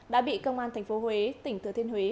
đã bị công an tp huế tỉnh thừa thiên huế